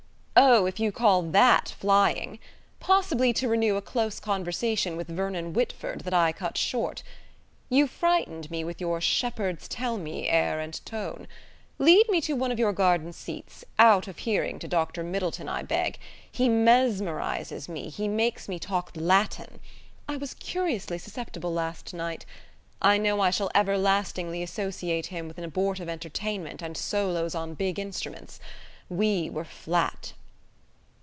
Oh, if you call that flying. Possibly to renew a close conversation with Vernon Whitford, that I cut short. You frightened me with your 'Shepherds tell me' air and tone. Lead me to one of your garden seats: out of hearing to Dr. Middleton, I beg. He mesmerizes me, he makes me talk Latin. I was curiously susceptible last night. I know I shall everlastingly associate him with an abortive entertainment and solos on big instruments. We were flat."